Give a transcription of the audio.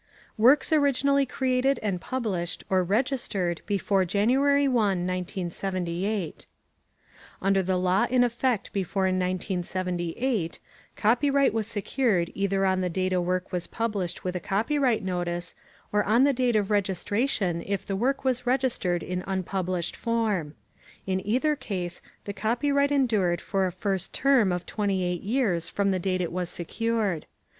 Works Originally Created and Published or Registered before January 1, 1978 Under the law in effect before 1978, copyright was secured either on the date a work was published with a copyright notice or on the date of registration if the work was registered in unpublished form. In either case, the copyright endured for a first term of 28 years from the date it was secured.